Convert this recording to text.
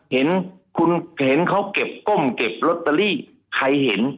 เห็นเขาเก็บก้มเก็บลอตเตอรี่ใครเห็น